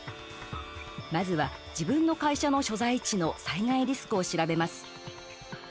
まずは、自分の会社の所在地の災害リスクを調べます。